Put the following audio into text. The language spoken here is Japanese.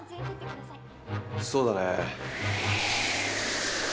そうだね。